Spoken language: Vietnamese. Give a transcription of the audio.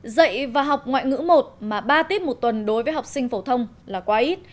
dạy và học ngoại ngữ một mà ba tiết một tuần đối với học sinh phổ thông là quá ít